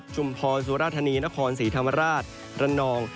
จุมธรสุรธนีร์นครสีธรรมราชละนอง